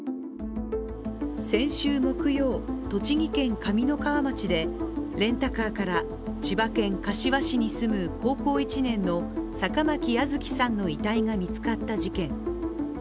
先週木曜、栃木県上三川町でレンタカーから千葉県柏市に住む高校１年の坂巻杏月さんの遺体が見つかった事件。